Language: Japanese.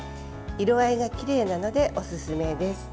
色合いがきれいなのでおすすめです。